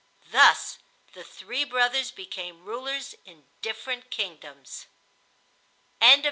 Thus the three brothers became rulers in different kingdoms. CHAPTER IX.